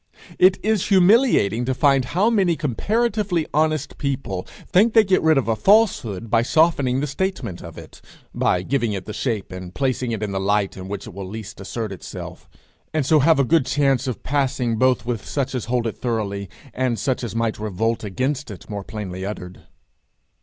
It is humiliating to find how many comparatively honest people think they get rid of a falsehood by softening the statement of it, by giving it the shape and placing it in the light in which it will least assert itself, and so have a good chance of passing both with such as hold it thoroughly, and such as might revolt against it more plainly uttered.